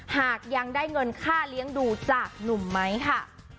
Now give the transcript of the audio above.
หากยังได้เงินค่าเลี้ยงดูจากหนุ่มไม้ค่ะ